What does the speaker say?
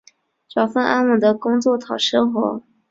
找份安稳的工作讨生活